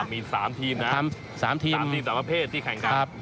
มี๓ทีมนะครับสามทีมสามพระเพศที่แข่งกันครับครับ